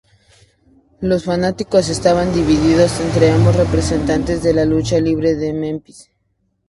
Los fanáticos estaban divididos entre ambos representantes de la lucha libre en Memphis.